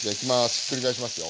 ひっくり返しますよ。